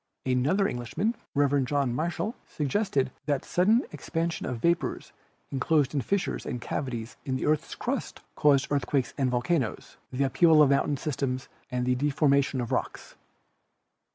Another Englishman, Rev. John Michell, suggested that sudden ex pansion of vapors enclosed in fissures and cavities of the earth's crust caused earthquakes and volcanoes, the up heaval of mountain systems and the deformation of rocks.